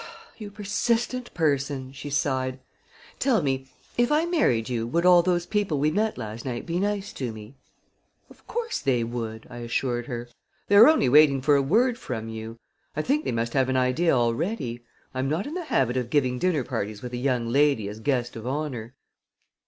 "You persistent person!" she sighed, "Tell me, if I married you would all those people we met last night be nice to me?" "Of course they would," I assured her. "They are only waiting for a word from you. I think they must have an idea already. I am not in the habit of giving dinner parties with a young lady as guest of honor."